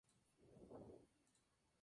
Tienen la residencia en la rectoría de Tremp.